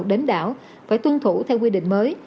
đến đảo phải tuân thủ theo quy định mới